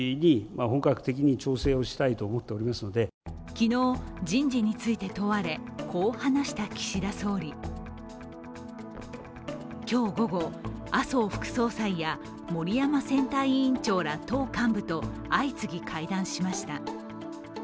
昨日、人事について問われ、こう話した岸田総理。今日午後、麻生副総裁や森山選対委員長ら党幹部と相次ぎ会談しました。